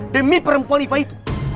demi perempuan iva itu